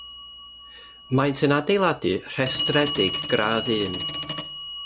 Maent yn adeiladau rhestredig Gradd Un.